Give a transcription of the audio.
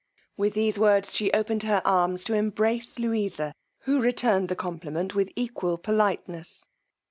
With these words she opened her arms to embrace Louisa, who returned the compliment with equal politeness.